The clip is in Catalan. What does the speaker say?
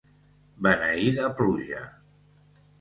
Beneïda pluja!